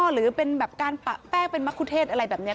หรือเป็นแบบการปะแป้งเป็นมะคุเทศอะไรแบบนี้